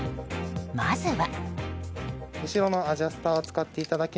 まずは。